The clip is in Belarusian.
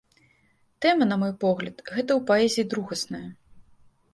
Тэма, на мой погляд, гэта ў паэзіі другаснае.